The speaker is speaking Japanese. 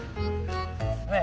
ねえ。